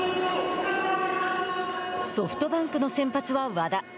ソフトバンクの先発は和田。